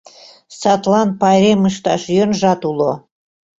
Садлан пайрем ышташ йӧнжат уло.